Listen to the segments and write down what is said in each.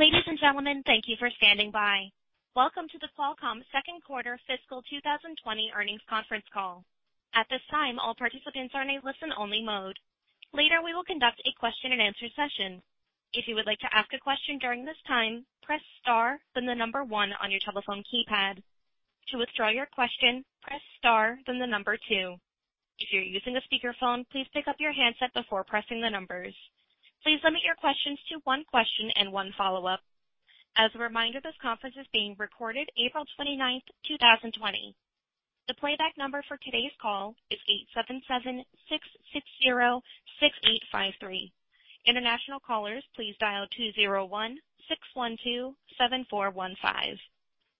Ladies and gentlemen, thank you for standing by. Welcome to the Qualcomm second quarter fiscal 2020 earnings conference call. At this time, all participants are in a listen-only mode. Later, we will conduct a question-and-answer session. If you would like to ask a question during this time, press star, then the number one on your telephone keypad. To withdraw your question, press star, then the number two. If you're using a speakerphone, please pick up your handset before pressing the numbers. Please limit your questions to one question and one follow-up. As a reminder, this conference is being recorded April 29th, 2020. The playback number for today's call is 877-660-6853. International callers, please dial 201-612-7415.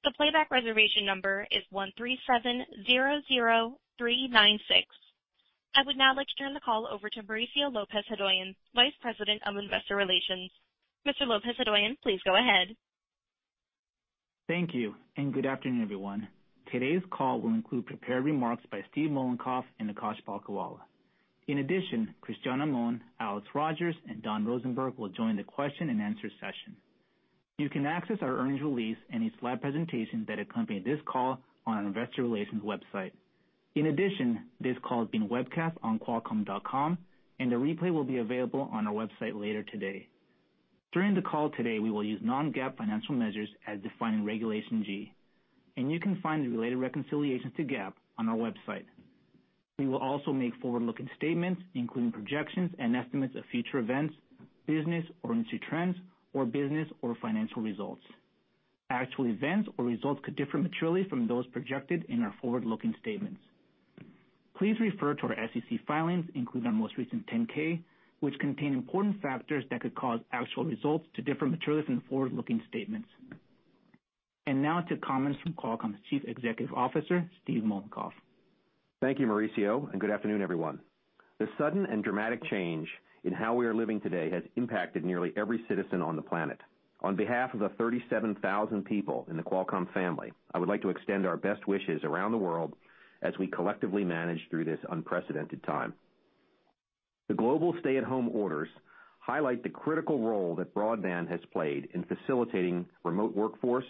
The playback reservation number is 13700396. I would now like to turn the call over to Mauricio Lopez-Hodoyan, Vice President of Investor Relations. Mr. Lopez-Hodoyan, please go ahead. Thank you, and good afternoon, everyone. Today's call will include prepared remarks by Steve Mollenkopf and Akash Palkhiwala. In addition, Cristiano Amon, Alex Rogers, and Don Rosenberg will join the question-and-answer session. You can access our earnings release and a slide presentation that accompany this call on our investor relations website. In addition, this call is being webcast on qualcomm.com, and the replay will be available on our website later today. During the call today, we will use non-GAAP financial measures as defined in Regulation G, and you can find the related reconciliations to GAAP on our website. We will also make forward-looking statements, including projections and estimates of future events, business or industry trends, or business or financial results. Actual events or results could differ materially from those projected in our forward-looking statements. Please refer to our SEC filings, including our most recent 10-K, which contain important factors that could cause actual results to differ materially from forward-looking statements. Now to comments from Qualcomm's Chief Executive Officer, Steve Mollenkopf. Thank you, Mauricio, and good afternoon, everyone. The sudden and dramatic change in how we are living today has impacted nearly every citizen on the planet. On behalf of the 37,000 people in the Qualcomm family, I would like to extend our best wishes around the world as we collectively manage through this unprecedented time. The global stay-at-home orders highlight the critical role that broadband has played in facilitating remote workforce,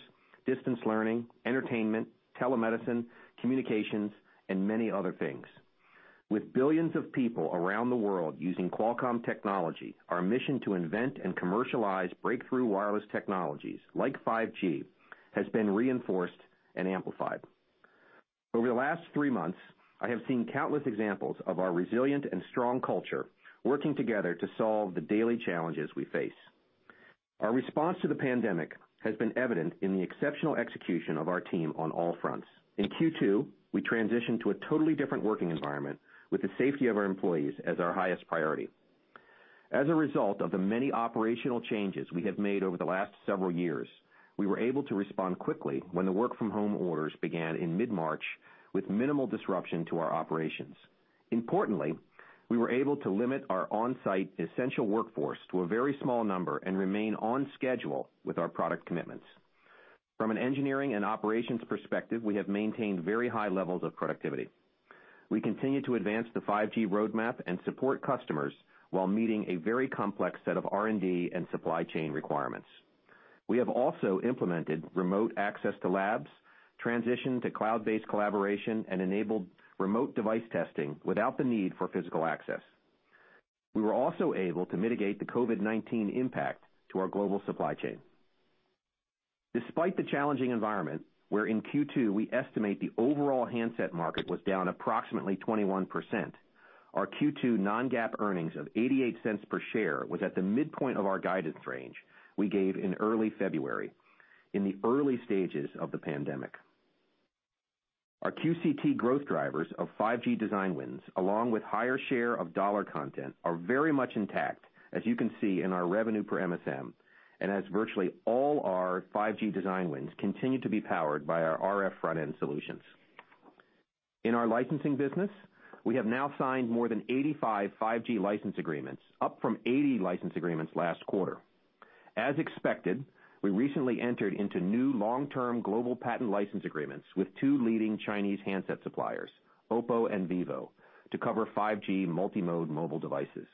distance learning, entertainment, telemedicine, communications, and many other things. With billions of people around the world using Qualcomm technology, our mission to invent and commercialize breakthrough wireless technologies, like 5G, has been reinforced and amplified. Over the last three months, I have seen countless examples of our resilient and strong culture working together to solve the daily challenges we face. Our response to the pandemic has been evident in the exceptional execution of our team on all fronts. In Q2, we transitioned to a totally different working environment with the safety of our employees as our highest priority. As a result of the many operational changes we have made over the last several years, we were able to respond quickly when the work-from-home orders began in mid-March with minimal disruption to our operations. Importantly, we were able to limit our on-site essential workforce to a very small number and remain on schedule with our product commitments. From an engineering and operations perspective, we have maintained very high levels of productivity. We continue to advance the 5G roadmap and support customers while meeting a very complex set of R&D and supply chain requirements. We have also implemented remote access to labs, transitioned to cloud-based collaboration, and enabled remote device testing without the need for physical access. We were also able to mitigate the COVID-19 impact to our global supply chain. Despite the challenging environment, where in Q2 we estimate the overall handset market was down approximately 21%, our Q2 non-GAAP earnings of $0.88 per share was at the midpoint of our guidance range we gave in early February in the early stages of the pandemic. Our QCT growth drivers of 5G design wins, along with higher share of dollar content, are very much intact, as you can see in our revenue per MSM, and as virtually all our 5G design wins continue to be powered by our RF front-end solutions. In our licensing business, we have now signed more than 85 5G license agreements, up from 80 license agreements last quarter. As expected, we recently entered into new long-term global patent license agreements with two leading Chinese handset suppliers, OPPO and Vivo, to cover 5G multi-mode mobile devices.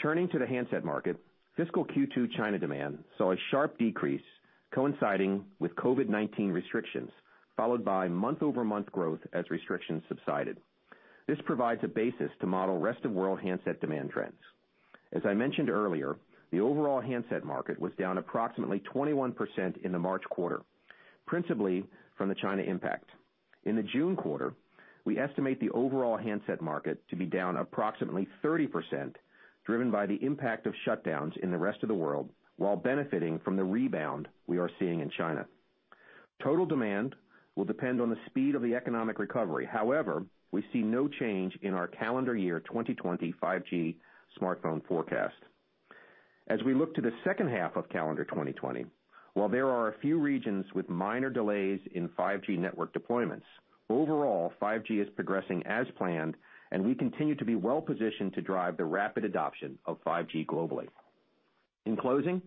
Turning to the handset market, fiscal Q2 China demand saw a sharp decrease coinciding with COVID-19 restrictions, followed by month-over-month growth as restrictions subsided. This provides a basis to model rest-of-world handset demand trends. As I mentioned earlier, the overall handset market was down approximately 21% in the March quarter, principally from the China impact. In the June quarter, we estimate the overall handset market to be down approximately 30%, driven by the impact of shutdowns in the rest of the world while benefiting from the rebound we are seeing in China. Total demand will depend on the speed of the economic recovery. However, we see no change in our calendar year 2020 5G smartphone forecast. As we look to the second half of calendar 2020, while there are a few regions with minor delays in 5G network deployments, overall 5G is progressing as planned, and we continue to be well-positioned to drive the rapid adoption of 5G globally. In closing,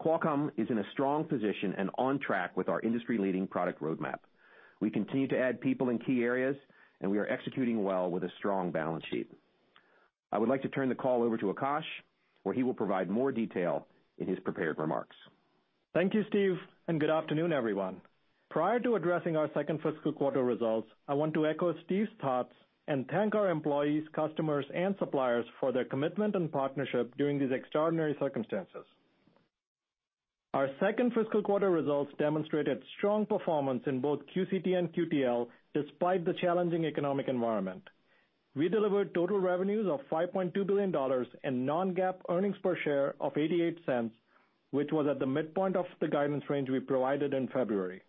Qualcomm is in a strong position and on track with our industry-leading product roadmap. We continue to add people in key areas, and we are executing well with a strong balance sheet. I would like to turn the call over to Akash, where he will provide more detail in his prepared remarks. Thank you, Steve, and good afternoon, everyone. Prior to addressing our second fiscal quarter results, I want to echo Steve's thoughts and thank our employees, customers, and suppliers for their commitment and partnership during these extraordinary circumstances. Our second fiscal quarter results demonstrated strong performance in both QCT and QTL despite the challenging economic environment. We delivered total revenues of $5.2 billion and non-GAAP earnings per share of $0.88, which was at the midpoint of the guidance range we provided in February.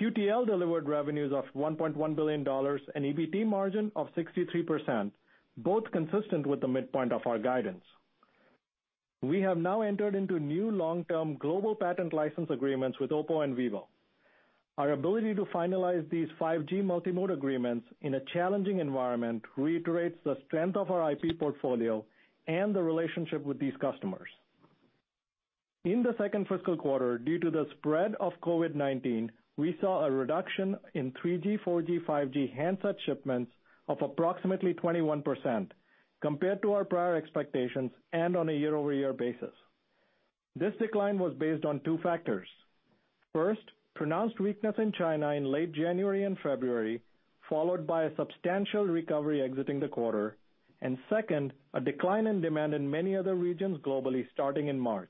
QTL delivered revenues of $1.1 billion and EBT margin of 63%, both consistent with the midpoint of our guidance. We have now entered into new long-term global patent license agreements with Oppo and Vivo. Our ability to finalize these 5G multi-mode agreements in a challenging environment reiterates the strength of our IP portfolio and the relationship with these customers. In the second fiscal quarter, due to the spread of COVID-19, we saw a reduction in 3G, 4G, 5G handset shipments of approximately 21% compared to our prior expectations and on a year-over-year basis. This decline was based on two factors. First, pronounced weakness in China in late January and February, followed by a substantial recovery exiting the quarter. Second, a decline in demand in many other regions globally starting in March.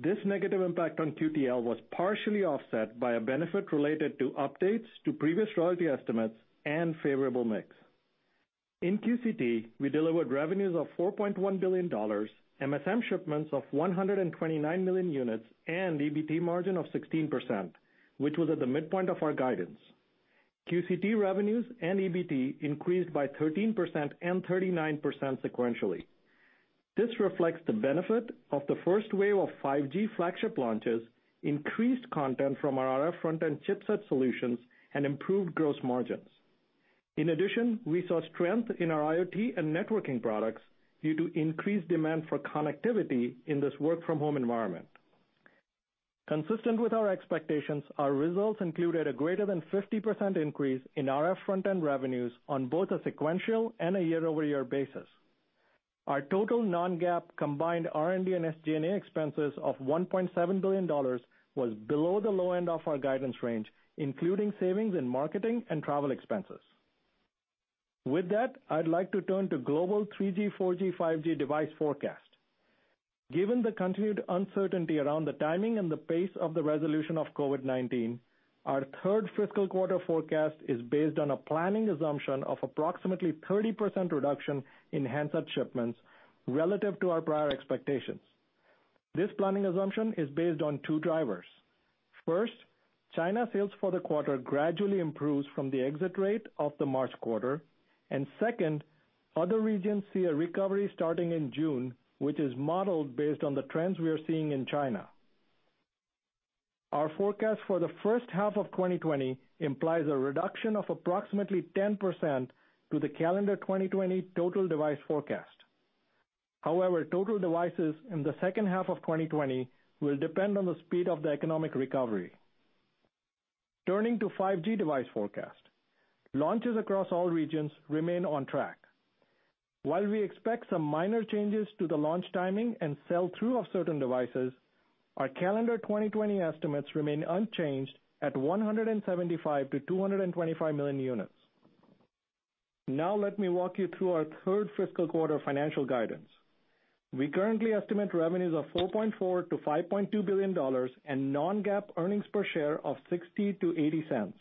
This negative impact on QTL was partially offset by a benefit related to updates to previous royalty estimates and favorable mix. In QCT, we delivered revenues of $4.1 billion, MSM shipments of 129 million units, and EBT margin of 16%, which was at the midpoint of our guidance. QCT revenues and EBT increased by 13% and 39% sequentially. This reflects the benefit of the first wave of 5G flagship launches, increased content from our RF front-end chipset solutions, and improved gross margins. In addition, we saw strength in our IoT and networking products due to increased demand for connectivity in this work-from-home environment. Consistent with our expectations, our results included a greater than 50% increase in RF front-end revenues on both a sequential and a year-over-year basis. Our total non-GAAP combined R&D and SG&A expenses of $1.7 billion was below the low end of our guidance range, including savings in marketing and travel expenses. With that, I'd like to turn to global 3G, 4G, 5G device forecast. Given the continued uncertainty around the timing and the pace of the resolution of COVID-19, our third fiscal quarter forecast is based on a planning assumption of approximately 30% reduction in handset shipments relative to our prior expectations. This planning assumption is based on two drivers. First, China sales for the quarter gradually improves from the exit rate of the March quarter. Second, other regions see a recovery starting in June, which is modeled based on the trends we are seeing in China. Our forecast for the first half of 2020 implies a reduction of approximately 10% to the calendar 2020 total device forecast. However, total devices in the second half of 2020 will depend on the speed of the economic recovery. Turning to 5G device forecast. Launches across all regions remain on track. While we expect some minor changes to the launch timing and sell-through of certain devices, our calendar 2020 estimates remain unchanged at 175 million-225 million units. Now let me walk you through our third fiscal quarter financial guidance. We currently estimate revenues of $4.4 billion-$5.2 billion and non-GAAP earnings per share of $0.60-$0.80.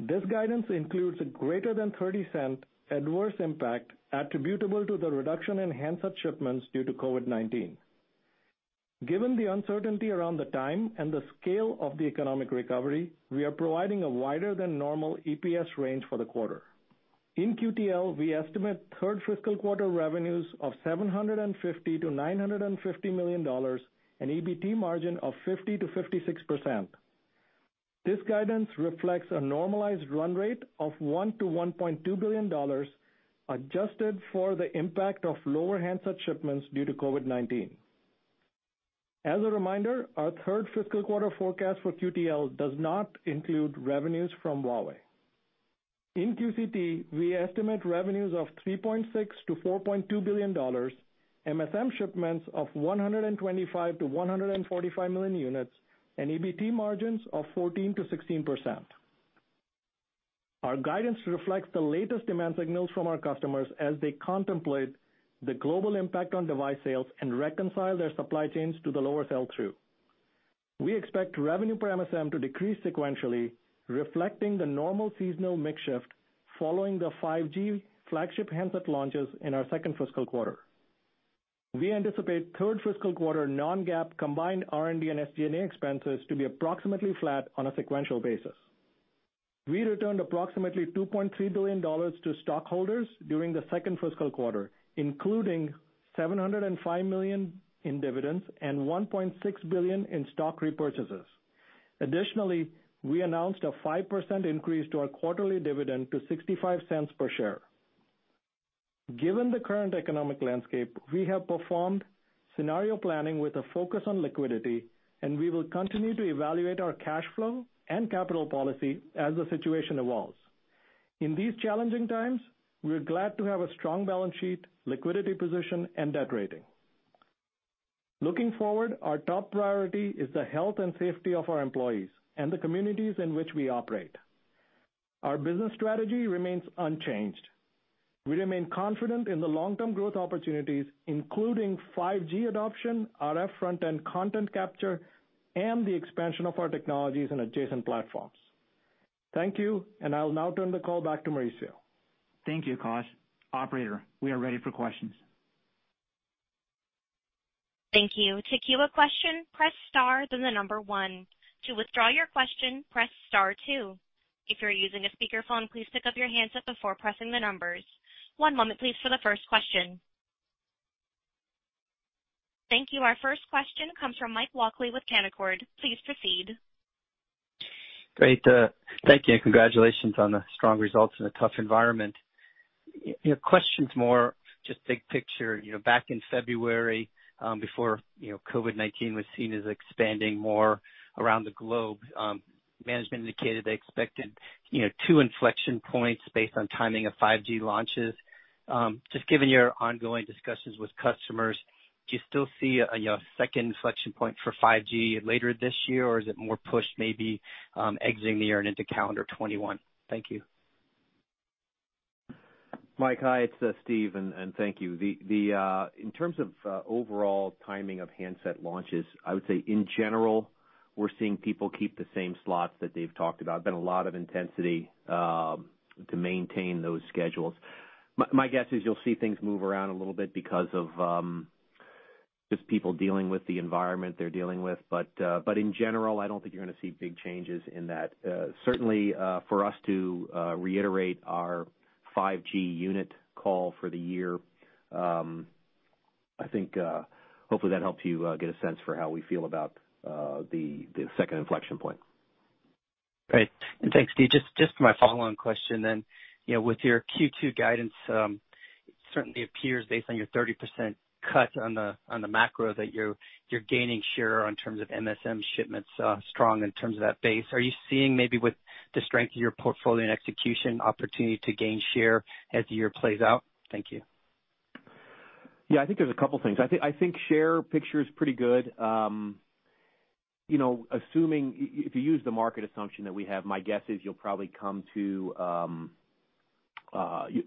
This guidance includes a greater than $0.30 adverse impact attributable to the reduction in handset shipments due to COVID-19. Given the uncertainty around the time and the scale of the economic recovery, we are providing a wider than normal EPS range for the quarter. In QTL, we estimate third fiscal quarter revenues of $750 million-$950 million and EBT margin of 50%-56%. This guidance reflects a normalized run rate of $1 billion-$1.2 billion, adjusted for the impact of lower handset shipments due to COVID-19. As a reminder, our third fiscal quarter forecast for QTL does not include revenues from Huawei. In QCT, we estimate revenues of $3.6 billion-$4.2 billion, MSM shipments of 125 million-145 million units, and EBT margins of 14%-16%. Our guidance reflects the latest demand signals from our customers as they contemplate the global impact on device sales and reconcile their supply chains to the lower sell-through. We expect revenue per MSM to decrease sequentially, reflecting the normal seasonal mix shift following the 5G flagship handset launches in our second fiscal quarter. We anticipate third fiscal quarter non-GAAP combined R&D and SG&A expenses to be approximately flat on a sequential basis. We returned approximately $2.3 billion to stockholders during the second fiscal quarter, including $705 million in dividends and $1.6 billion in stock repurchases. Additionally, we announced a 5% increase to our quarterly dividend to $0.65 per share. Given the current economic landscape, we have performed scenario planning with a focus on liquidity, and we will continue to evaluate our cash flow and capital policy as the situation evolves. In these challenging times, we are glad to have a strong balance sheet, liquidity position, and debt rating. Looking forward, our top priority is the health and safety of our employees and the communities in which we operate. Our business strategy remains unchanged. We remain confident in the long-term growth opportunities, including 5G adoption, RF front-end content capture, and the expansion of our technologies on adjacent platforms. Thank you, and I'll now turn the call back to Mauricio. Thank you, Akash. Operator, we are ready for questions. Thank you. To queue a question, press star, then the number one. To withdraw your question, press star two. If you're using a speakerphone, please pick up your handset before pressing the numbers. One moment, please, for the first question. Thank you. Our first question comes from Mike Walkley with Canaccord. Please proceed. Great. Thank you, and congratulations on the strong results in a tough environment. Question's more just big picture. Back in February, before COVID-19 was seen as expanding more around the globe, management indicated they expected two inflection points based on timing of 5G launches. Just given your ongoing discussions with customers, do you still see a second inflection point for 5G later this year, or is it more pushed maybe exiting the year and into calendar 2021? Thank you. Mike, hi. It's Steve, and thank you. In terms of overall timing of handset launches, I would say, in general, we're seeing people keep the same slots that they've talked about. Been a lot of intensity to maintain those schedules. My guess is you'll see things move around a little bit because of just people dealing with the environment they're dealing with. In general, I don't think you're going to see big changes in that. Certainly, for us to reiterate our 5G unit call for the year, I think hopefully that helps you get a sense for how we feel about the second inflection point. Great. Thanks, Steve. Just my follow-on question. With your Q2 guidance, it certainly appears based on your 30% cut on the macro that you're gaining share on terms of MSM shipments strong in terms of that base. Are you seeing maybe with the strength of your portfolio and execution opportunity to gain share as the year plays out? Thank you. Yeah, I think there's a couple things. I think share picture is pretty good. If you use the market assumption that we have, my guess is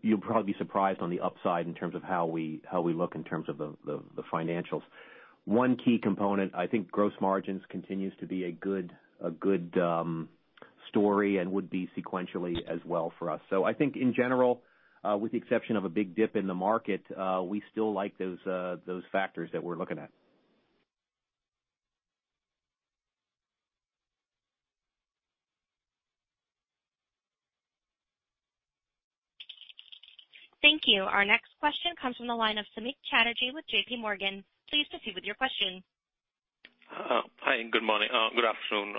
you'll probably be surprised on the upside in terms of how we look in terms of the financials. One key component, I think gross margins continues to be a good story and would be sequentially as well for us. I think in general, with the exception of a big dip in the market, we still like those factors that we're looking at. Thank you. Our next question comes from the line of Samik Chatterjee with JPMorgan. Please proceed with your question. Hi, good afternoon.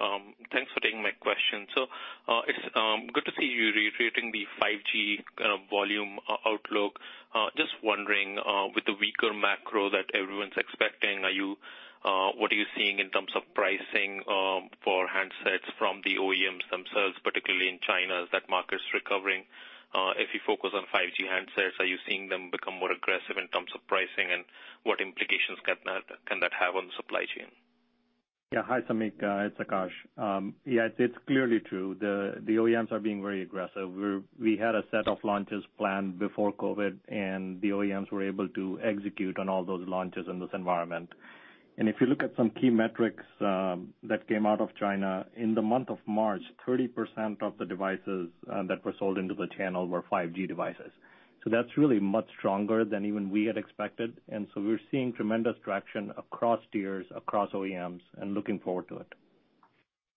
Thanks for taking my question. It's good to see you reiterating the 5G kind of volume outlook. Just wondering, with the weaker macro that everyone's expecting, what are you seeing in terms of pricing for handsets from the OEMs themselves, particularly in China, as that market's recovering? If you focus on 5G handsets, are you seeing them become more aggressive in terms of pricing, and what implications can that have on the supply chain? Yeah. Hi, Samik. It's Akash. Yeah, it's clearly true. The OEMs are being very aggressive. We had a set of launches planned before COVID-19, and the OEMs were able to execute on all those launches in this environment. If you look at some key metrics that came out of China, in the month of March, 30% of the devices that were sold into the channel were 5G devices. That's really much stronger than even we had expected. We're seeing tremendous traction across tiers, across OEMs, and looking forward to it.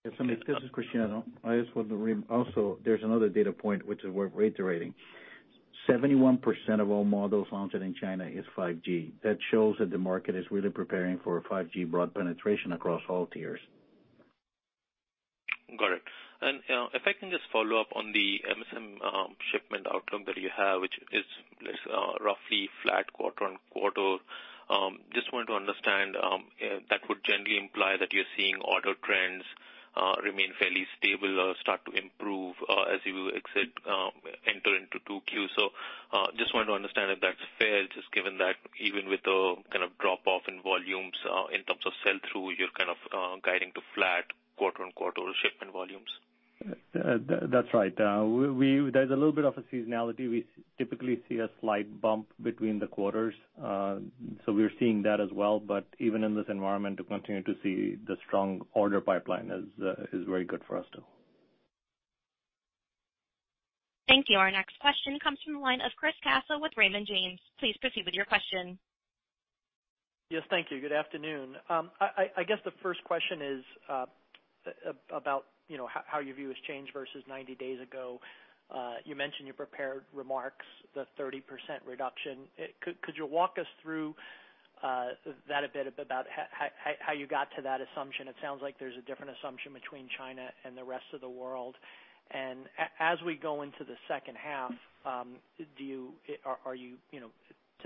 Yeah, Samik, this is Cristiano. I just want to also, there's another data point which is worth reiterating. 71% of all models launched in China is 5G. That shows that the market is really preparing for 5G broad penetration across all tiers. Got it. If I can just follow up on the MSM shipment outcome that you have, which is roughly flat quarter on quarter. Just wanted to understand, that would generally imply that you're seeing order trends remain fairly stable or start to improve as you enter into 2Q. Just wanted to understand if that's fair, just given that even with the kind of drop-off in volumes in terms of sell-through, you're kind of guiding to flat quarter on quarter shipment volumes. That's right. There's a little bit of a seasonality. We typically see a slight bump between the quarters. We're seeing that as well, but even in this environment to continue to see the strong order pipeline is very good for us, too. Thank you. Our next question comes from the line of Chris Caso with Raymond James. Please proceed with your question. Yes, thank you. Good afternoon. I guess the first question is about how your view has changed versus 90 days ago. You mentioned in your prepared remarks the 30% reduction. Could you walk us through that a bit about how you got to that assumption. It sounds like there's a different assumption between China and the rest of the world. As we go into the second half, to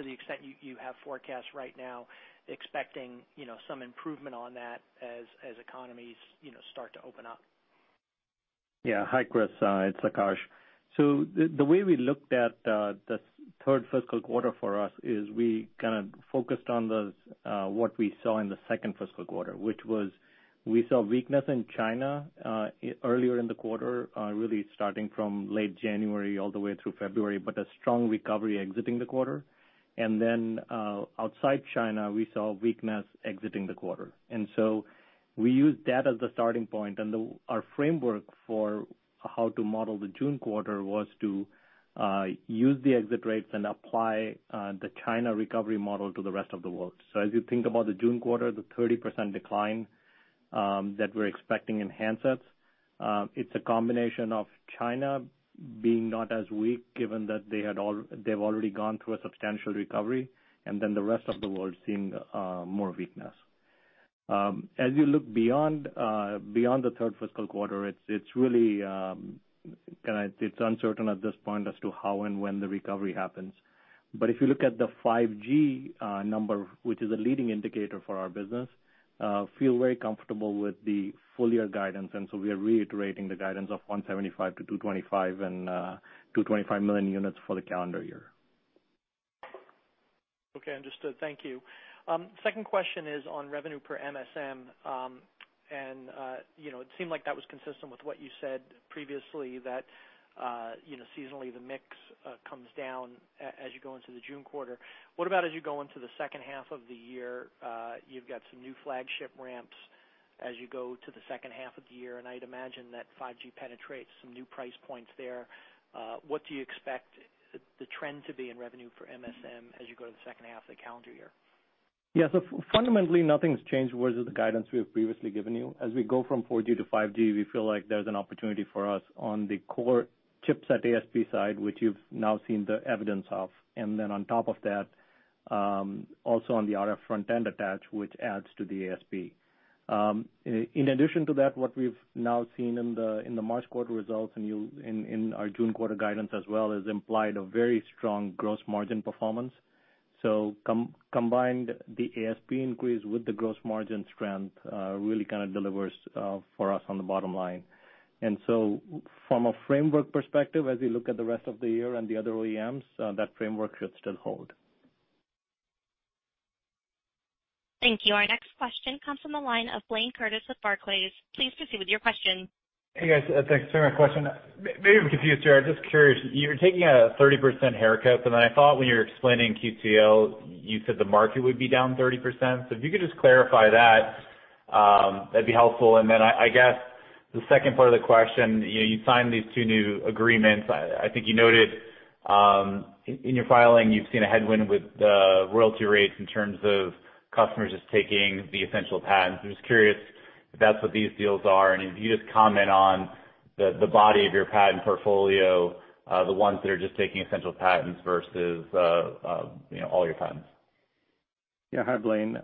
the extent you have forecasts right now, expecting some improvement on that as economies start to open up. Hi, Chris. It's Akash. The way we looked at the third fiscal quarter for us is we kind of focused on what we saw in the second fiscal quarter, which was, we saw weakness in China earlier in the quarter, really starting from late January all the way through February, but a strong recovery exiting the quarter. Outside China, we saw weakness exiting the quarter. We used that as the starting point and our framework for how to model the June quarter was to use the exit rates and apply the China recovery model to the rest of the world. As you think about the June quarter, the 30% decline that we're expecting in handsets, it's a combination of China being not as weak given that they've already gone through a substantial recovery and then the rest of the world seeing more weakness. As you look beyond the third fiscal quarter, it's uncertain at this point as to how and when the recovery happens. If you look at the 5G number, which is a leading indicator for our business, we feel very comfortable with the full-year guidance. We are reiterating the guidance of 175 million-225 million units for the calendar year. Okay, understood. Thank you. Second question is on revenue per MSM. It seemed like that was consistent with what you said previously, that seasonally the mix comes down as you go into the June quarter. What about as you go into the second half of the year? You've got some new flagship ramps as you go to the second half of the year. I'd imagine that 5G penetrates some new price points there. What do you expect the trend to be in revenue for MSM as you go to the second half of the calendar year? Yeah. fundamentally, nothing's changed with the guidance we have previously given you. As we go from 4G-5G, we feel like there's an opportunity for us on the core chipset ASP side, which you've now seen the evidence of. On top of that, also on the RF front-end attach, which adds to the ASP. In addition to that, what we've now seen in the March quarter results and in our June quarter guidance as well, has implied a very strong gross margin performance. Combined the ASP increase with the gross margin strength really kind of delivers for us on the bottom line. From a framework perspective, as we look at the rest of the year and the other OEMs, that framework should still hold. Thank you. Our next question comes from the line of Blayne Curtis with Barclays. Please proceed with your question. Hey, guys. Thanks. Sorry, my question, maybe I'm confused here. I'm just curious. You're taking a 30% haircut. I thought when you were explaining QTL, you said the market would be down 30%. If you could just clarify that'd be helpful. I guess the second part of the question, you signed these two new agreements. I think you noted in your filing you've seen a headwind with the royalty rates in terms of customers just taking the essential patents. I'm just curious if that's what these deals are, and if you just comment on the body of your patent portfolio, the ones that are just taking essential patents versus all your patents. Hi, Blayne.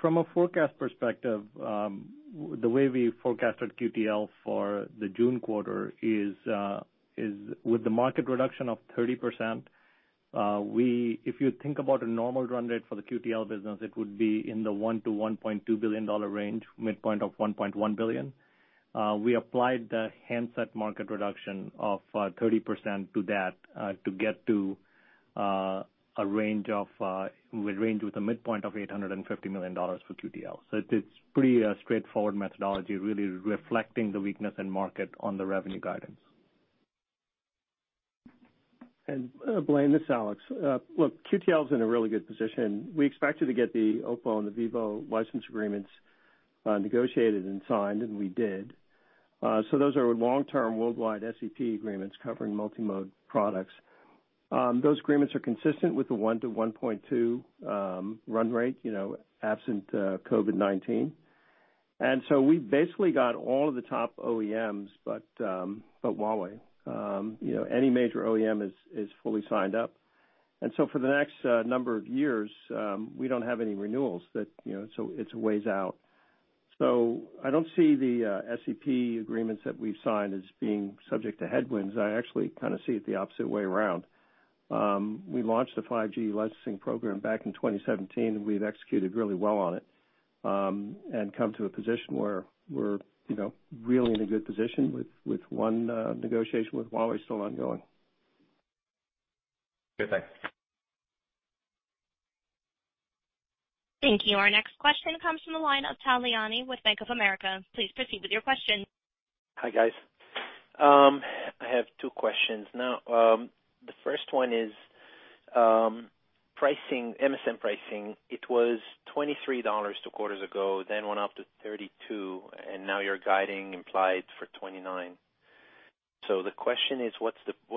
From a forecast perspective, the way we forecasted QTL for the June quarter is with the market reduction of 30%, if you think about a normal run rate for the QTL business, it would be in the $1 billion-$1.2 billion range, midpoint of $1.1 billion. We applied the handset market reduction of 30% to that to get to a range with a midpoint of $850 million for QTL. It's pretty straightforward methodology, really reflecting the weakness in market on the revenue guidance. Blayne, this Alex. Look, QTL's in a really good position. We expected to get the Oppo and the Vivo license agreements negotiated and signed, and we did. Those are long-term worldwide SEP agreements covering multi-mode products. Those agreements are consistent with the 1 to 1.2 run rate, absent COVID-19. We basically got all of the top OEMs but Huawei. Any major OEM is fully signed up, and so for the next number of years, we don't have any renewals, so it's a ways out. I don't see the SEP agreements that we've signed as being subject to headwinds. I actually kind of see it the opposite way around. We launched the 5G licensing program back in 2017, and we've executed really well on it, and come to a position where we're really in a good position with one negotiation with Huawei still ongoing. Okay, thanks. Thank you. Our next question comes from the line of Tal Liani with Bank of America. Please proceed with your question. Hi, guys. I have two questions now. The first one is MSM pricing. It was $23 two quarters ago, then went up to $32, and now you're guiding implied for $29. The question is, what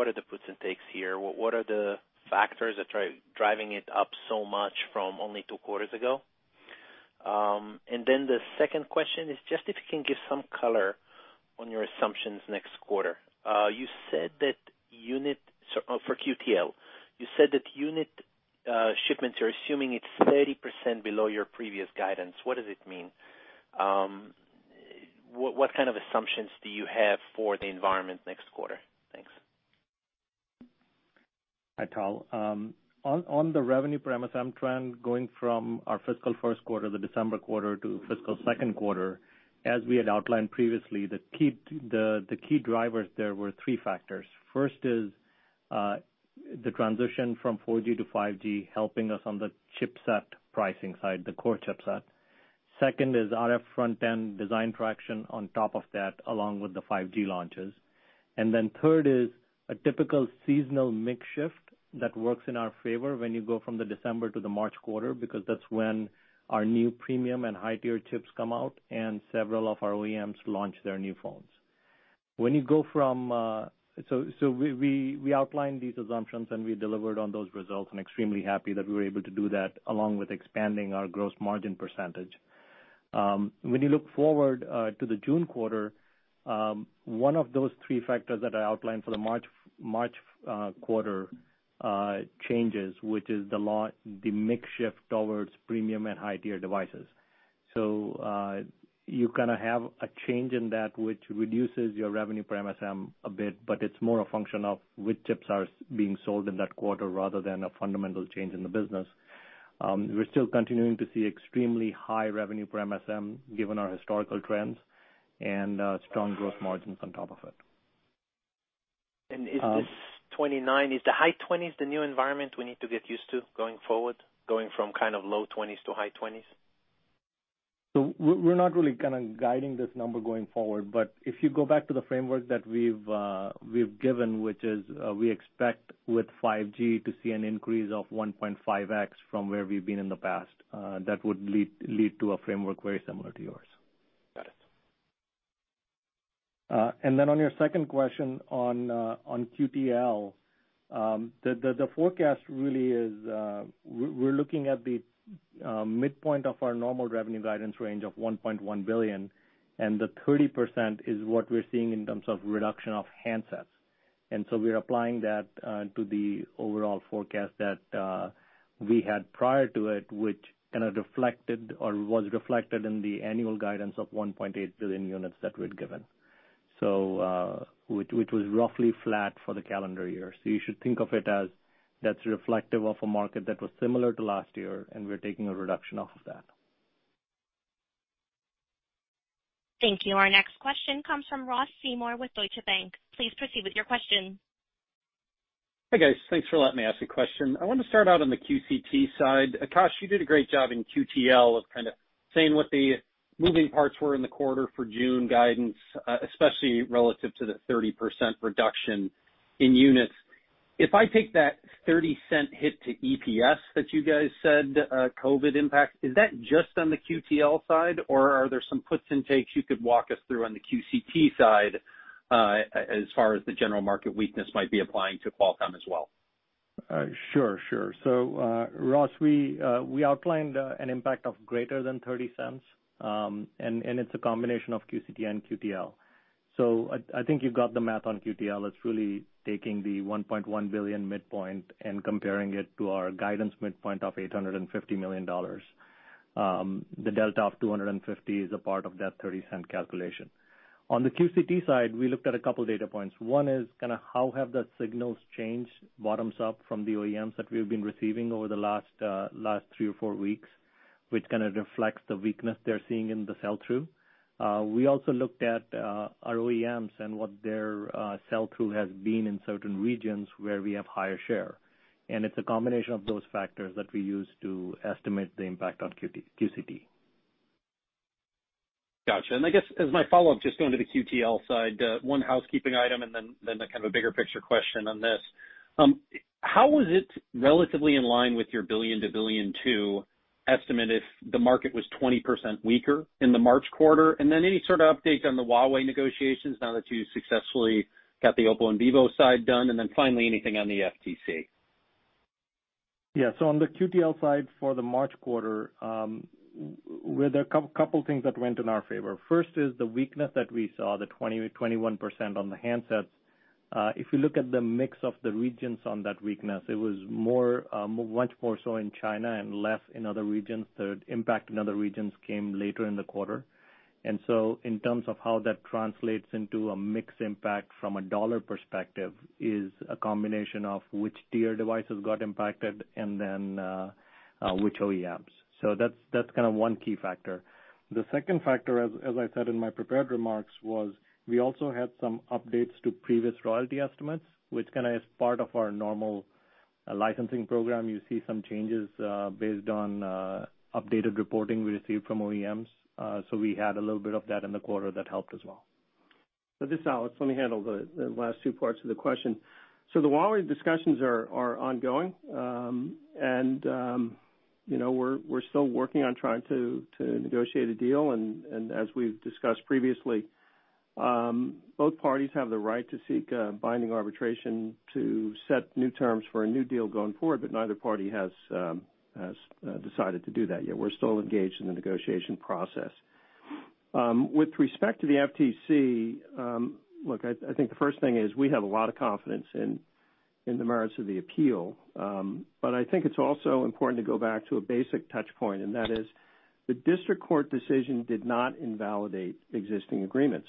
are the puts and takes here? What are the factors that are driving it up so much from only two quarters ago? The second question is just if you can give some color on your assumptions next quarter. For QTL, you said that unit shipments, you're assuming it's 30% below your previous guidance. What does it mean? What kind of assumptions do you have for the environment next quarter? Thanks. Hi, Tal. On the revenue per MSM trend, going from our fiscal first quarter, the December quarter, to fiscal second quarter, as we had outlined previously, the key drivers there were three factors. First is the transition from 4G-5G helping us on the chipset pricing side, the core chipset. Second is RF front-end design traction on top of that, along with the 5G launches. Then third is a typical seasonal mix shift that works in our favor when you go from the December to the March quarter, because that's when our new premium and high-tier chips come out and several of our OEMs launch their new phones. We outlined these assumptions, and we delivered on those results and extremely happy that we were able to do that along with expanding our gross margin percentage. When you look forward to the June quarter, one of those three factors that I outlined for the March quarter changes, which is the mix shift towards premium and high-tier devices. You kind of have a change in that which reduces your revenue per MSM a bit, but it's more a function of which chips are being sold in that quarter rather than a fundamental change in the business. We're still continuing to see extremely high revenue per MSM given our historical trends and strong gross margins on top of it. Is this 29, is the high 20s the new environment we need to get used to going forward, going from kind of low 20s to high 20s? We're not really guiding this number going forward, but if you go back to the framework that we've given, which is we expect with 5G to see an increase of 1.5x from where we've been in the past, that would lead to a framework very similar to yours. Got it. On your second question on QTL, the forecast really is we're looking at the midpoint of our normal revenue guidance range of $1.1 billion, and the 30% is what we're seeing in terms of reduction of handsets. We're applying that to the overall forecast that we had prior to it, which kind of reflected or was reflected in the annual guidance of 1.8 billion units that we'd given, which was roughly flat for the calendar year. You should think of it as that's reflective of a market that was similar to last year, and we're taking a reduction off of that. Thank you. Our next question comes from Ross Seymore with Deutsche Bank. Please proceed with your question. Hey, guys. Thanks for letting me ask a question. I want to start out on the QCT side. Akash, you did a great job in QTL of kind of saying what the moving parts were in the quarter for June guidance, especially relative to the 30% reduction in units. If I take that $0.30 hit to EPS that you guys said COVID impact, is that just on the QTL side, or are there some puts and takes you could walk us through on the QCT side as far as the general market weakness might be applying to Qualcomm as well? Sure. Ross, we outlined an impact of greater than $0.30, and it's a combination of QCT and QTL. I think you got the math on QTL. It's really taking the $1.1 billion midpoint and comparing it to our guidance midpoint of $850 million. The delta of 250 is a part of that $0.30 calculation. On the QCT side, we looked at a couple data points. One is kind of how have the signals changed bottoms up from the OEMs that we've been receiving over the last three or four weeks, which kind of reflects the weakness they're seeing in the sell-through. We also looked at our OEMs and what their sell-through has been in certain regions where we have higher share. It's a combination of those factors that we use to estimate the impact on QCT. Got you. I guess as my follow-up, just going to the QTL side, one housekeeping item and then a kind of a bigger picture question on this. How was it relatively in line with your $1 billion to $1.2 billion estimate if the market was 20% weaker in the March quarter? Any sort of update on the Huawei negotiations now that you successfully got the Oppo and Vivo side done? Finally, anything on the FTC? Yeah. On the QTL side for the March quarter, there are a couple things that went in our favor. First is the weakness that we saw, the 20%, 21% on the handsets. If you look at the mix of the regions on that weakness, it was much more so in China and less in other regions. The impact in other regions came later in the quarter. In terms of how that translates into a mix impact from a dollar perspective is a combination of which tier devices got impacted and then which OEMs. That's kind of one key factor. The second factor, as I said in my prepared remarks, was we also had some updates to previous royalty estimates, which kind of is part of our normal licensing program. You see some changes based on updated reporting we received from OEMs. We had a little bit of that in the quarter that helped as well. This is Alex. Let me handle the last two parts of the question. The Huawei discussions are ongoing, and we're still working on trying to negotiate a deal. As we've discussed previously. Both parties have the right to seek binding arbitration to set new terms for a new deal going forward, but neither party has decided to do that yet. We're still engaged in the negotiation process. With respect to the FTC, look, I think the first thing is we have a lot of confidence in the merits of the appeal. I think it's also important to go back to a basic touch point, and that is the district court decision did not invalidate existing agreements.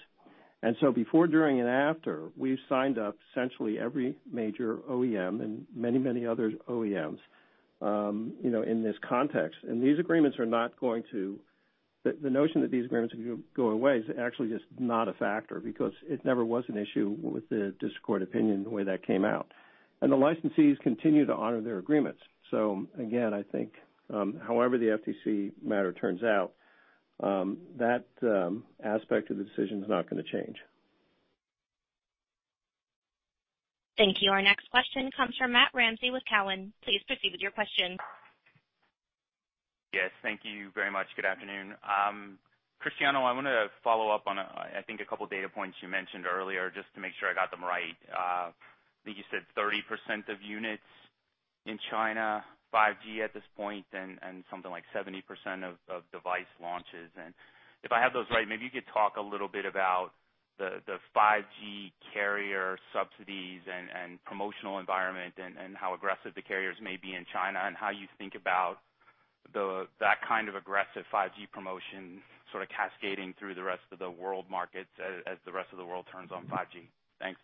Before, during, and after, we've signed up essentially every major OEM and many others OEMs in this context. The notion that these agreements are going to go away is actually just not a factor because it never was an issue with the district court opinion the way that came out. The licensees continue to honor their agreements. Again, I think, however the FTC matter turns out, that aspect of the decision is not going to change. Thank you. Our next question comes from Matthew Ramsay with Cowen. Please proceed with your question. Yes, thank you very much. Good afternoon. Cristiano, I want to follow up on, I think, a couple data points you mentioned earlier just to make sure I got them right. I think you said 30% of units in China, 5G at this point, and something like 70% of device launches. If I have those right, maybe you could talk a little bit about the 5G carrier subsidies and promotional environment and how aggressive the carriers may be in China, and how you think about that kind of aggressive 5G promotion sort of cascading through the rest of the world markets as the rest of the world turns on 5G. Thanks.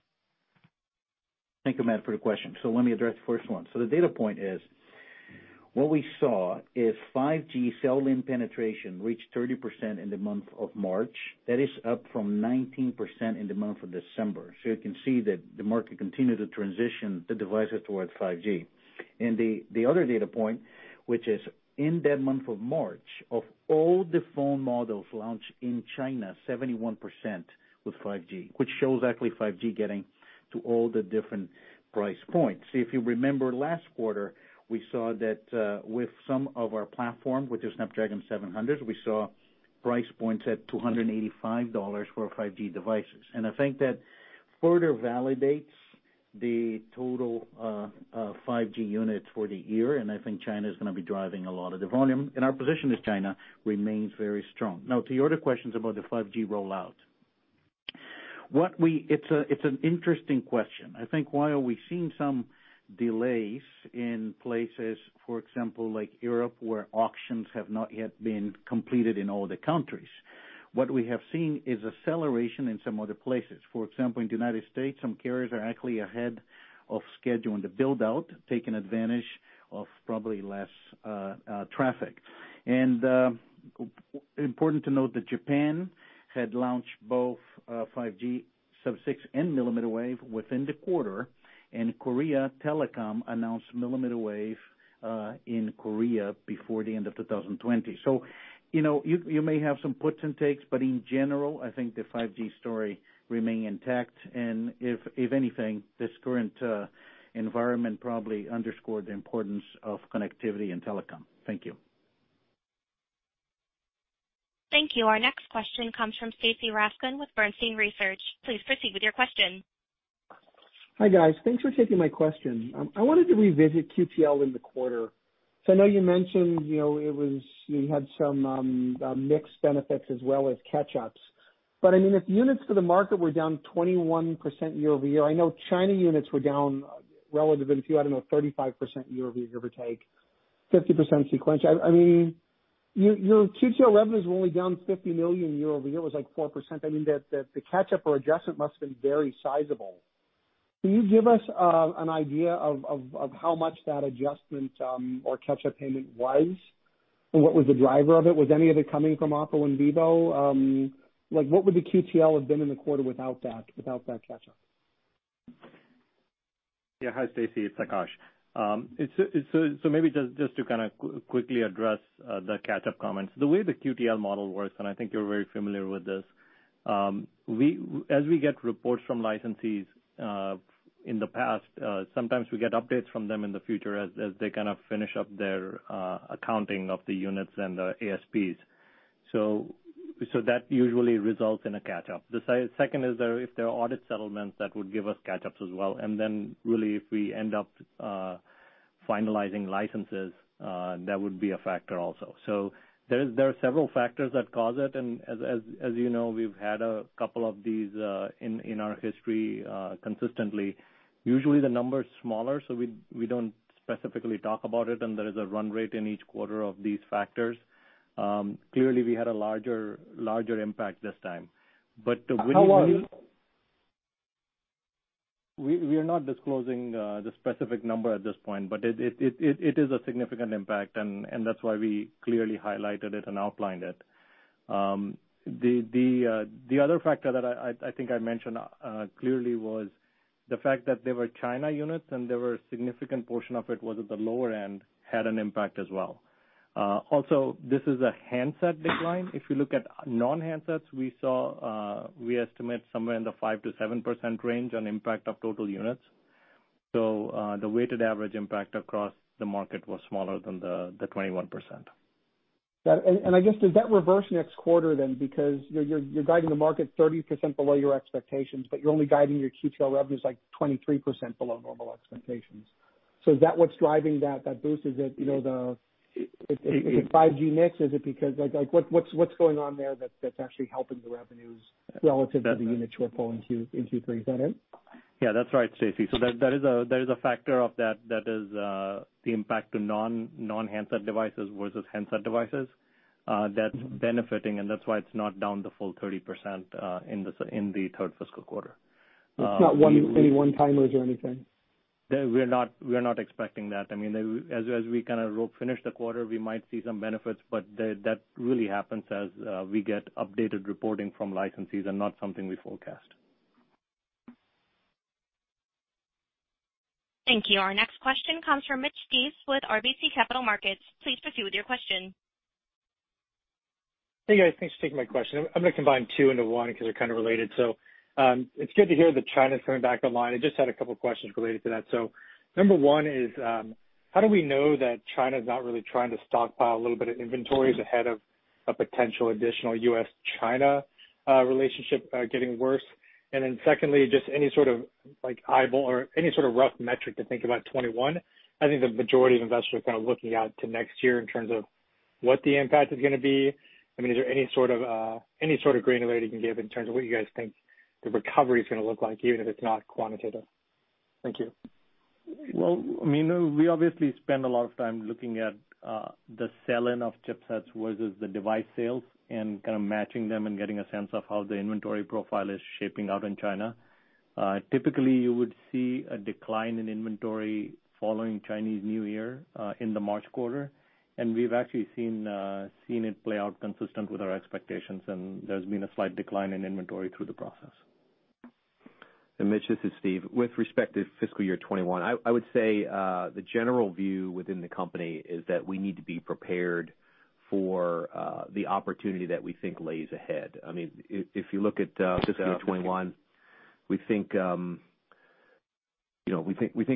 Thank you, Matt, for the question. Let me address the first one. The data point is what we saw is 5G sell-in penetration reached 30% in the month of March. That is up from 19% in the month of December. You can see that the market continued to transition the devices towards 5G. The other data point, which is in that month of March, of all the phone models launched in China, 71% was 5G, which shows actually 5G getting to all the different price points. If you remember last quarter, we saw that with some of our platform, which is Snapdragon 700 Series, we saw price points at $285 for 5G devices. I think that further validates the total 5G units for the year, and I think China is going to be driving a lot of the volume, and our position with China remains very strong. To your other questions about the 5G rollout. It's an interesting question. I think while we've seen some delays in places, for example, like Europe, where auctions have not yet been completed in all the countries, what we have seen is acceleration in some other places. For example, in the United States, some carriers are actually ahead of schedule on the build-out, taking advantage of probably less traffic. Important to note that Japan had launched both 5G sub-6 and millimeter wave within the quarter, and Korea Telecom announced millimeter wave in Korea before the end of 2020. You may have some puts and takes, but in general, I think the 5G story remains intact, and if anything, this current environment probably underscored the importance of connectivity and telecom. Thank you. Thank you. Our next question comes from Stacy Rasgon with Bernstein Research. Please proceed with your question. Hi, guys. Thanks for taking my question. I wanted to revisit QTL in the quarter. I know you mentioned you had some mixed benefits as well as catch-ups. If units to the market were down 21% year-over-year, I know China units were down relative, and if you had, I don't know, 35% year-over-year take, 50% sequential. Your QTL revenues were only down $50 million year-over-year, was like 4%. The catch-up or adjustment must have been very sizable. Can you give us an idea of how much that adjustment or catch-up payment was? What was the driver of it? Was any of it coming from Oppo and Vivo? What would the QTL have been in the quarter without that catch-up? Yeah. Hi, Stacy, it's Akash. Maybe just to quickly address the catch-up comments. The way the QTL model works, and I think you're very familiar with this, as we get reports from licensees in the past, sometimes we get updates from them in the future as they finish up their accounting of the units and the ASPs. That usually results in a catch-up. The second is if there are audit settlements, that would give us catch-ups as well. Really, if we end up finalizing licenses, that would be a factor also. There are several factors that cause it, and as you know, we've had a couple of these in our history consistently. Usually the number is smaller, so we don't specifically talk about it, and there is a run rate in each quarter of these factors. Clearly, we had a larger impact this time. The winning. How large? We are not disclosing the specific number at this point, but it is a significant impact, and that's why we clearly highlighted it and outlined it. The other factor that I think I mentioned clearly was the fact that there were China units, and there were a significant portion of it was at the lower end, had an impact as well. This is a handset decline. If you look at non-handsets, we estimate somewhere in the 5%-7% range on impact of total units. The weighted average impact across the market was smaller than the 21%. I guess, does that reverse next quarter then? You're guiding the market 30% below your expectations, but you're only guiding your QTL revenues, like 23% below normal expectations. Is that what's driving that boost? Is it the 5G mix? What's going on there that's actually helping the revenues relative to the unit shortfall in Q3? Is that it? Yeah, that's right, Stacy. There is a factor of that is the impact to non-handset devices versus handset devices that's benefiting, and that's why it's not down the full 30% in the third fiscal quarter. It's not any one-timers or anything. We're not expecting that. As we kind of finish the quarter, we might see some benefits, but that really happens as we get updated reporting from licensees and not something we forecast. Thank you. Our next question comes from Mitch Steves with RBC Capital Markets. Please proceed with your question. Hey, guys. Thanks for taking my question. I'm going to combine two into one because they're kind of related. It's good to hear that China's coming back online. I just had a couple questions related to that. Number one is, how do we know that China's not really trying to stockpile a little bit of inventories ahead of a potential additional U.S.-China relationship getting worse? Secondly, just any sort of eyeball or any sort of rough metric to think about 2021? I think the majority of investors are kind of looking out to next year in terms of what the impact is going to be. I mean, is there any sort of granularity you can give in terms of what you guys think the recovery's going to look like, even if it's not quantitative? Thank you. Well, we obviously spend a lot of time looking at the sell-in of chipsets versus the device sales and kind of matching them and getting a sense of how the inventory profile is shaping out in China. Typically, you would see a decline in inventory following Chinese New Year in the March quarter, and we've actually seen it play out consistent with our expectations, and there's been a slight decline in inventory through the process. Mitch, this is Steve. With respect to fiscal year 2021, I would say the general view within the company is that we need to be prepared for the opportunity that we think lays ahead. If you look at fiscal year 2021, we think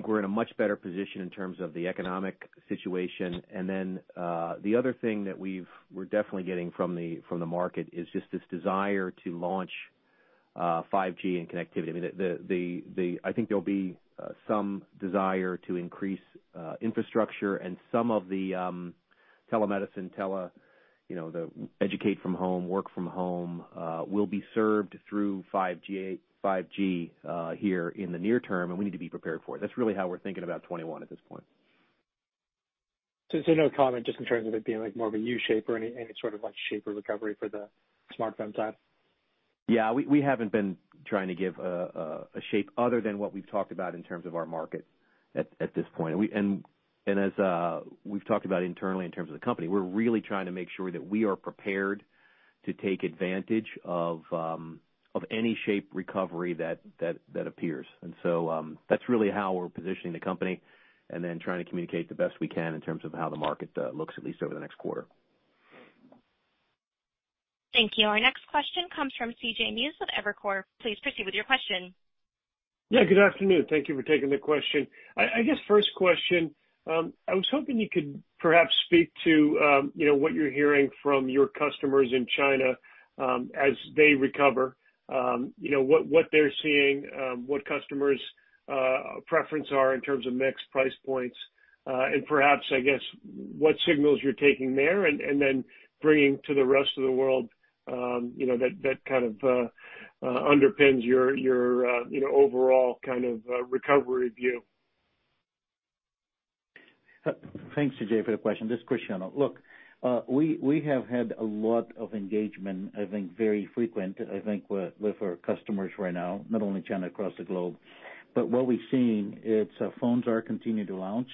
we're in a much better position in terms of the economic situation. The other thing that we're definitely getting from the market is just this desire to launch 5G and connectivity. I think there'll be some desire to increase infrastructure and some of the telemedicine, the educate from home, work from home will be served through 5G here in the near term, we need to be prepared for it. That's really how we're thinking about 2021 at this point. No comment just in terms of it being like more of a U shape or any sort of like shape or recovery for the smartphone side? Yeah. We haven't been trying to give a shape other than what we've talked about in terms of our market at this point. As we've talked about internally in terms of the company, we're really trying to make sure that we are prepared to take advantage of any shape recovery that appears. That's really how we're positioning the company and then trying to communicate the best we can in terms of how the market looks at least over the next quarter. Thank you. Our next question comes from C.J. Muse with Evercore. Please proceed with your question. Yeah, good afternoon. Thank you for taking the question. I guess first question, I was hoping you could perhaps speak to what you're hearing from your customers in China as they recover. What they're seeing, what customers' preference are in terms of mix, price points, and perhaps, I guess, what signals you're taking there and then bringing to the rest of the world that kind of underpins your overall kind of recovery view? Thanks, C.J. for the question. This is Cristiano. Look, we have had a lot of engagement, I think very frequent with our customers right now, not only China, across the globe. What we're seeing, it's phones are continuing to launch.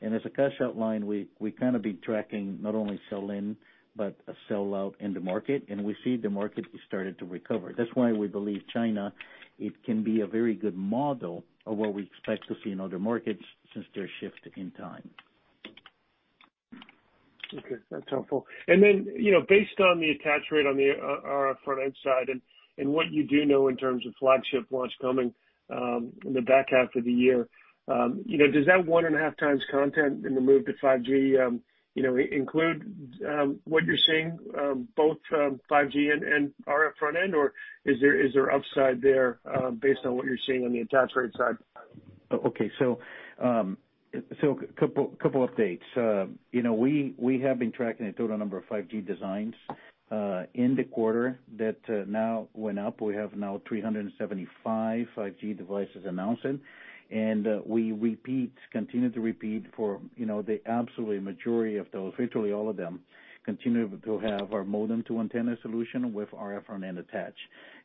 As Akash outlined, we kind of be tracking not only sell-in but a sell-out in the market, and we see the market has started to recover. That's why we believe China, it can be a very good model of what we expect to see in other markets since their shift in time. Okay, that's helpful. Based on the attach rate on the RF front-end side and what you do know in terms of flagship launch coming in the back half of the year, does that one and a half times content in the move to 5G include what you're seeing both 5G and RF front-end, or is there upside there based on what you're seeing on the attach rate side? A couple updates. We have been tracking the total number of 5G designs in the quarter that now went up. We have now 375 5G devices announced. We continue to repeat for the absolute majority of those, virtually all of them, continue to have our modem-to-antenna solution with RF front-end attached.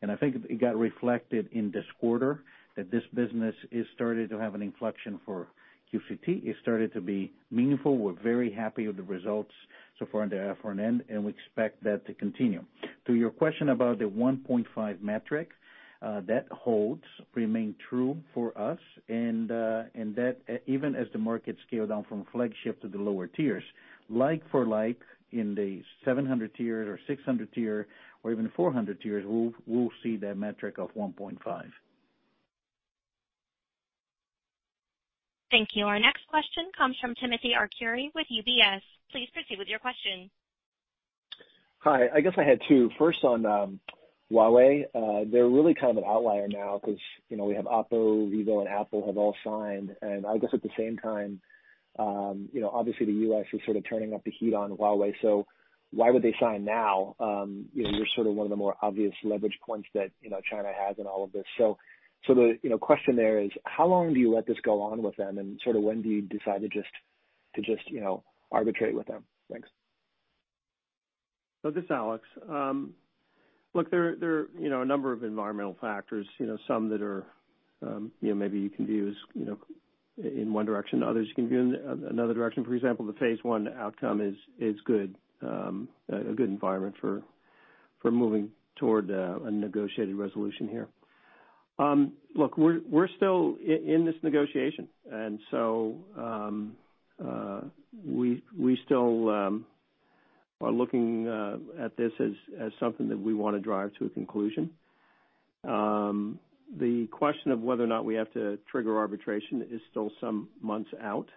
I think it got reflected in this quarter that this business is started to have an inflection for QCT. It started to be meaningful. We're very happy with the results so far on the RF front-end. We expect that to continue. To your question about the 1.5 metric, that holds, remain true for us and that even as the market scale down from flagship to the lower tiers. Like for like in the 700 tier or 600 tier or even 400 tiers, we'll see that metric of 1.5. Thank you. Our next question comes from Timothy Arcuri with UBS. Please proceed with your question. Hi. I guess I had two. First on Huawei. They're really kind of an outlier now because we have Oppo, Vivo, and Apple have all signed, and I guess at the same time, obviously the U.S. is sort of turning up the heat on Huawei. Why would they sign now? You're sort of one of the more obvious leverage points that China has in all of this. The question there is how long do you let this go on with them, and when do you decide to just arbitrate with them? Thanks. This is Alex. Look, there are a number of environmental factors, some that maybe you can view as in one direction, others you can view in another direction. For example, the Phase One outcome is good, a good environment for moving toward a negotiated resolution here. Look, we're still in this negotiation, we still are looking at this as something that we want to drive to a conclusion. The question of whether or not we have to trigger arbitration is still some months out.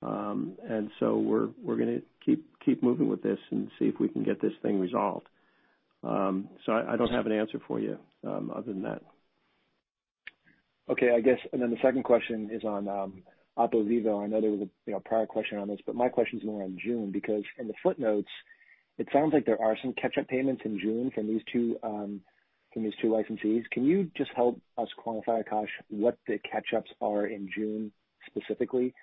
We're going to keep moving with this and see if we can get this thing resolved. I don't have an answer for you other than that. Okay. The second question is on Oppo, Vivo. I know there was a prior question on this. My question is more on June, because from the footnotes, it sounds like there are some catch-up payments in June from these two licensees. Can you just help us quantify, Akash, what the catch-ups are in June specifically?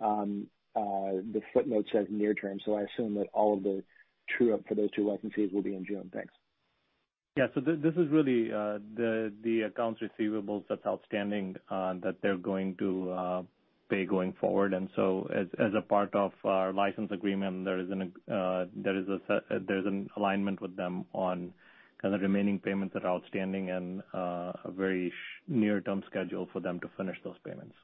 The footnote says near term. I assume that all of the true-up for those two licensees will be in June. Thanks. Yeah. This is really the accounts receivables that's outstanding that they're going to pay going forward. As a part of our license agreement, there's an alignment with them on kind of the remaining payments that are outstanding and a very near-term schedule for them to finish those payments.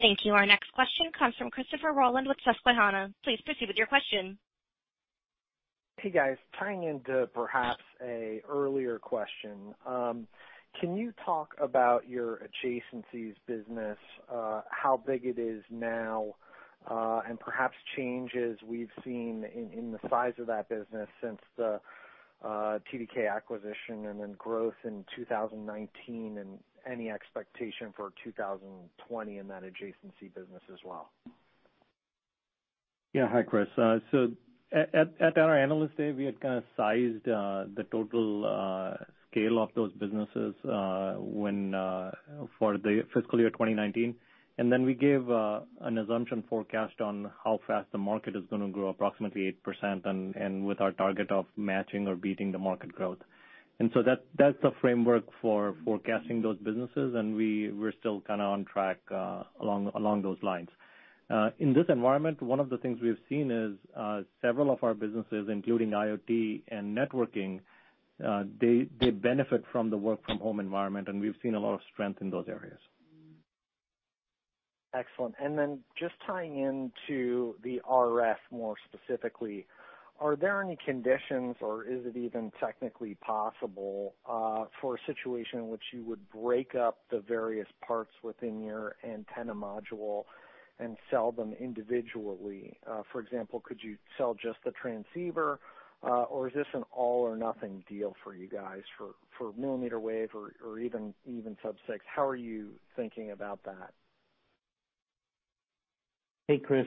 Thank you. Our next question comes from Christopher Rolland with Susquehanna. Please proceed with your question. Hey, guys. Tying into perhaps an earlier question, can you talk about your adjacencies business, how big it is now, and perhaps changes we've seen in the size of that business since the TDK acquisition and then growth in 2019, and any expectation for 2020 in that adjacency business as well? Yeah. Hi, Chris. At our Analyst Day, we had kind of sized the total scale of those businesses for the fiscal year 2019, we gave an assumption forecast on how fast the market is going to grow, approximately 8%, with our target of matching or beating the market growth. That's the framework for forecasting those businesses, we're still kind of on track along those lines. In this environment, one of the things we've seen is several of our businesses, including IoT and networking, they benefit from the work-from-home environment, we've seen a lot of strength in those areas. Excellent. Then just tying into the RF more specifically, are there any conditions or is it even technically possible for a situation in which you would break up the various parts within your antenna module and sell them individually? For example, could you sell just the transceiver, or is this an all-or-nothing deal for you guys for millimeter wave or even sub-6? How are you thinking about that? Hey, Chris.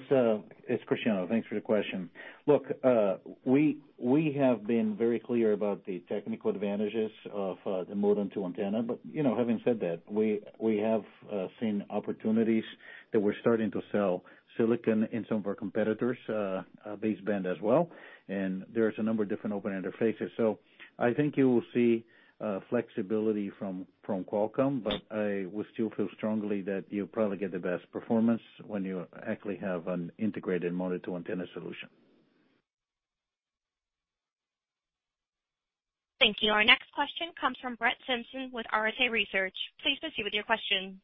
It's Cristiano. Thanks for the question. Look, we have been very clear about the technical advantages of the modem-to-antenna. Having said that, we have seen opportunities that we're starting to sell silicon in some of our competitors, baseband as well, and there's a number of different open interfaces. I think you will see flexibility from Qualcomm, but I would still feel strongly that you'll probably get the best performance when you actually have an integrated modem-to-antenna solution. Thank you. Our next question comes from Brett Simpson with Arete Research. Please proceed with your question.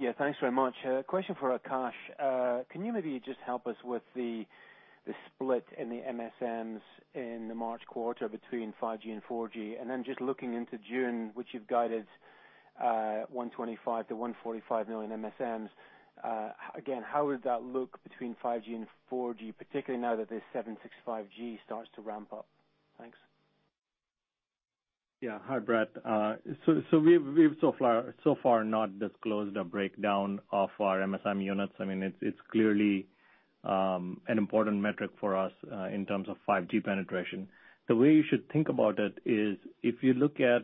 Yeah, thanks very much. A question for Akash. Can you maybe just help us with the split in the MSMs in the March quarter between 5G and 4G? Just looking into June, which you've guided $125 million-$145 million MSMs. Again, how would that look between 5G and 4G, particularly now that the 765G starts to ramp up? Thanks. Yeah. Hi, Brett. We've so far not disclosed a breakdown of our MSM units. It's clearly an important metric for us in terms of 5G penetration. The way you should think about it is if you look at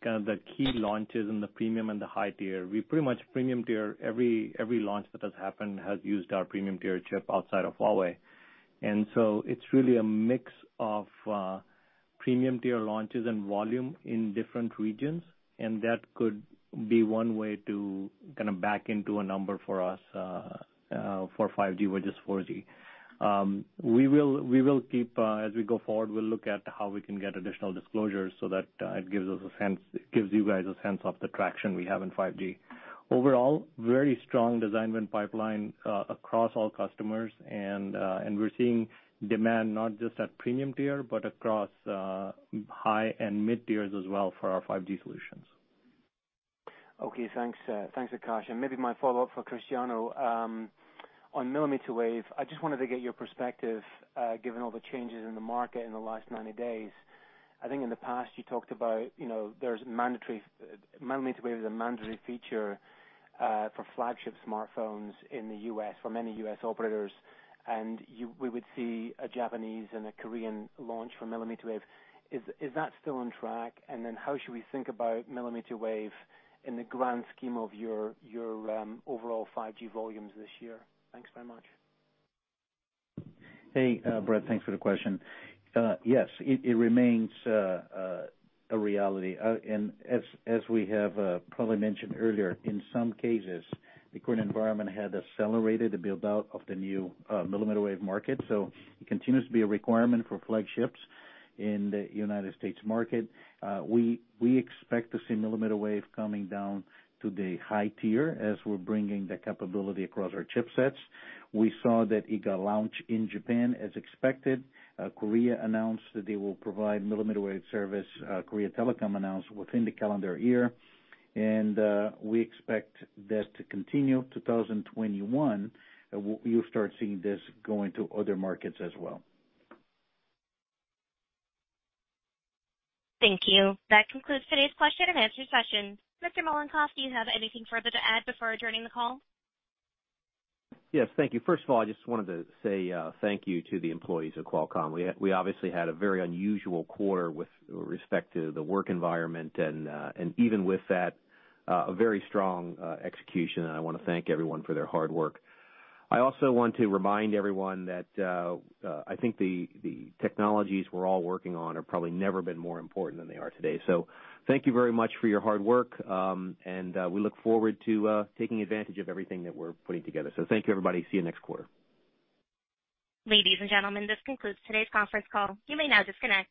kind of the key launches in the premium and the high tier, pretty much premium tier, every launch that has happened has used our premium tier chip outside of Huawei. It's really a mix of premium tier launches and volume in different regions, and that could be one way to kind of back into a number for us for 5G or just 4G. As we go forward, we'll look at how we can get additional disclosures so that it gives you guys a sense of the traction we have in 5G. Overall, very strong design win pipeline across all customers, and we're seeing demand not just at premium tier, but across high and mid-tiers as well for our 5G solutions. Okay, thanks. Thanks, Akash. Maybe my follow-up for Cristiano on millimeter wave. I just wanted to get your perspective, given all the changes in the market in the last 90 days. I think in the past you talked about millimeter wave is a mandatory feature for flagship smartphones in the U.S. for many U.S. operators, and we would see a Japanese and a Korean launch for millimeter wave. Is that still on track? Then how should we think about millimeter wave in the grand scheme of your overall 5G volumes this year? Thanks very much. Hey, Brett. Thanks for the question. Yes, it remains a reality. As we have probably mentioned earlier, in some cases, the current environment had accelerated the build-out of the new millimeter wave market. It continues to be a requirement for flagships in the U.S. market. We expect to see millimeter wave coming down to the high tier as we're bringing the capability across our chipsets. We saw that it got launched in Japan as expected. Korea announced that they will provide millimeter wave service, KT Corporation announced within the calendar year. We expect that to continue 2021. You'll start seeing this going to other markets as well. Thank you. That concludes today's question-and-answer session. Mr. Mollenkopf, do you have anything further to add before adjourning the call? Yes. Thank you. First of all, I just wanted to say thank you to the employees of Qualcomm. We obviously had a very unusual quarter with respect to the work environment, and even with that, a very strong execution, and I want to thank everyone for their hard work. I also want to remind everyone that I think the technologies we're all working on have probably never been more important than they are today. Thank you very much for your hard work, and we look forward to taking advantage of everything that we're putting together. Thank you, everybody. See you next quarter. Ladies and gentlemen, this concludes today's conference call. You may now disconnect.